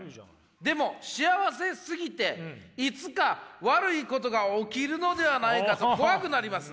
「でも幸せすぎていつか悪いことが起きるのではないかと怖くなります。